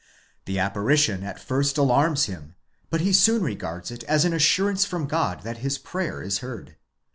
The apparition at first alarms him; but he soon regards it as an assurance from God that his prayer is heard.